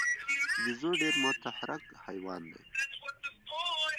بیزو ډېر متحرک حیوان دی.